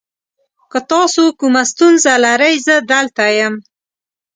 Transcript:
که تاسو کومه ستونزه لرئ، زه دلته یم.